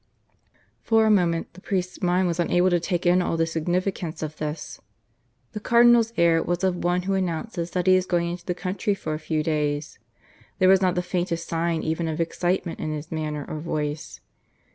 For a moment the priest's mind was unable to take in all the significance of this. The Cardinal's air was of one who announces that he is going into the country for a few days. There was not the faintest sign even of excitement in his manner or voice.